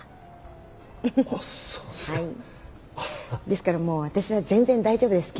ですからもう私は全然大丈夫です。